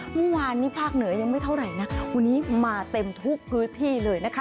เมื่อวานนี้ภาคเหนือยังไม่เท่าไหร่นะวันนี้มาเต็มทุกพื้นที่เลยนะคะ